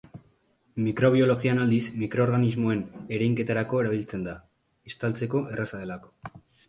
Mikrobiologian aldiz, mikroorganismoen ereinketarako erabiltzen da, estaltzeko erraza delako.